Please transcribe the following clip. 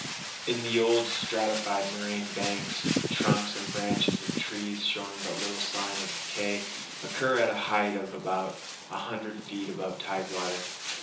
In the old stratified moraine banks, trunks and branches of trees showing but little sign of decay occur at a height of about a hundred feet above tide water.